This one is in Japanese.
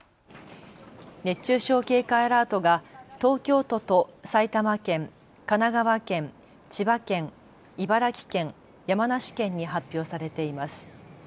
熱中症警戒アラートが東京都と埼玉県、神奈川県、千葉県、茨城県、山梨県に発表されています。